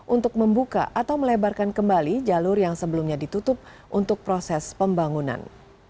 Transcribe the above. untuk membuka atau melebarkan kembali jalur yang sebelumnya ditutup untuk proses pembangunan